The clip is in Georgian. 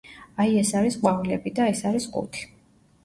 აი ეს არის ყვავილები და ეს არის ყუთი.